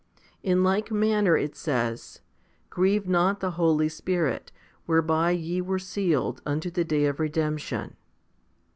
In like manner it says, Grieve not the Holy Spirit, whereby ye were sealed unto the day of redemption.